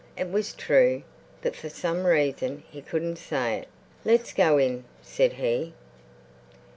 It was true, but for some reason he couldn't say it. "Let's go in," said he.